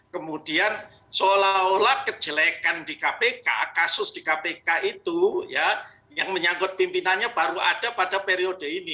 kemudian seolah olah kejelekan di kpk kasus di kpk itu ya yang menyangkut pimpinannya baru ada pada periode ini